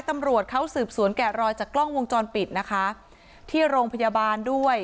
ตำรวจเขาสืบสวนแกะรอยจากกล้องวงจรปิดนะคะที่โรงพยาบาลด้วย